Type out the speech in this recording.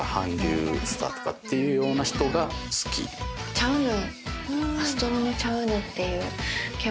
チャウヌ。